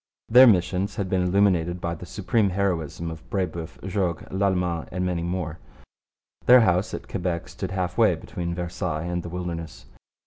Their missions had been illuminated by the supreme heroism of Brebeuf, Jogues, Lalemant, and many more. Their house at Quebec stood half way between Versailles and the wilderness.